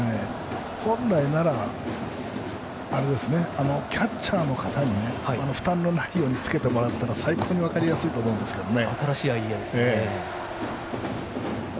本来ならキャッチャーの方に負担のないようにつけてもらったら最高に分かりやすいと思うんですけどね。